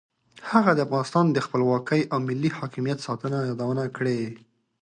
هغه د افغانستان د خپلواکۍ او ملي حاکمیت ساتنه یادونه کړې.